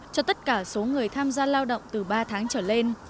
cho tất cả số người tham gia lao động từ ba tháng trở lên